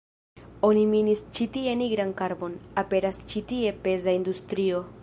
Oni minis ĉi tie nigran karbon, aperas ĉi tie peza industrio.